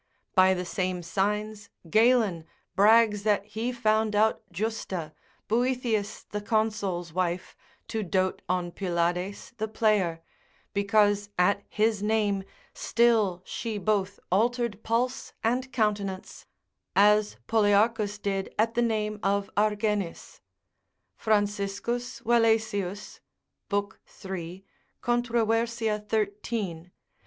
By the same signs Galen brags that he found out Justa, Boethius the consul's wife, to dote on Pylades the player, because at his name still she both altered pulse and countenance, as Polyarchus did at the name of Argenis. Franciscus Valesius, l. 3. controv. 13. med. contr.